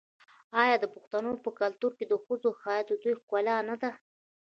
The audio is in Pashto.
آیا د پښتنو په کلتور کې د ښځو حیا د دوی ښکلا نه ده؟